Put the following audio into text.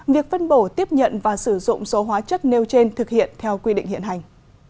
việc phân bổ tiếp nhận và sử dụng số hóa chất nêu trên thực hiện theo quy định hiện hành